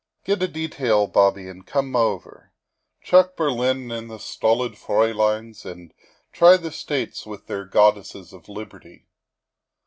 Get a detail, Bobby, and come over. Chuck Berlin and the stolid frauleins and try the States with their Goddesses of Liberty.